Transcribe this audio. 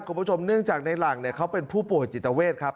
คุณผู้ชมเนื่องจากในหลังเนี่ยเขาเป็นผู้ป่วยจิตเวทครับ